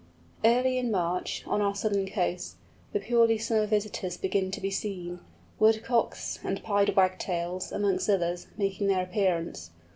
Early in March, on our southern coasts, the purely summer visitors begin to be seen, Woodcocks and Pied Wagtails, amongst others, making their appearance.